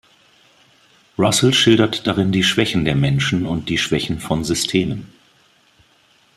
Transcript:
Russell schildert darin die Schwächen der Menschen und die Schwächen von Systemen.